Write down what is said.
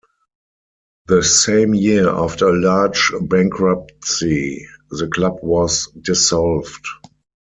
The same year, after a large bankruptcy the club was dissolved.